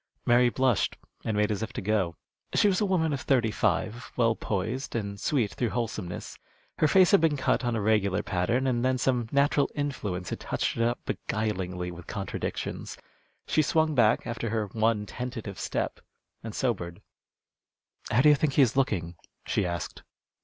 Mary blushed, and made as if to go. She was a woman of thirty five, well poised, and sweet through wholesomeness. Her face had been cut on a regular pattern, and then some natural influence had touched it up beguilingly with contradictions. She swung back, after her one tentative step, and sobered. "How do you think he is looking?" she asked.